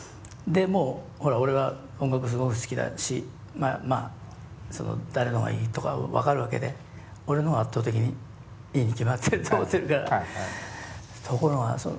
でもうほら俺は音楽すごい好きだしまあ誰のがいいとか分かるわけで俺の方が圧倒的にいいに決まってると思ってるから。